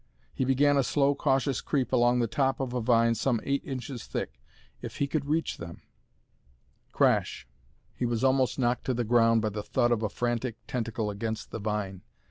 He began a slow, cautious creep along the top of a vine some eight inches thick. If he could reach them.... Crash! He was almost knocked to the ground by the thud of a frantic tentacle against the vine.